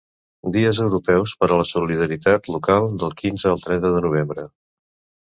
Dies Europeus per a la Solidaritat Local del quinze al trenta de novembre.